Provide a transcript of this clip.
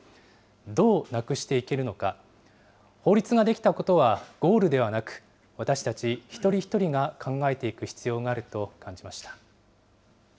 どうなくしていけるのか、法律が出来たことはゴールではなく、私たち一人一人が考えていく必要があると感じました。